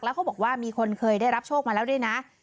แล้วเขาบอกว่ามีคนเคยได้รับโชคมาแล้วด้วยนะ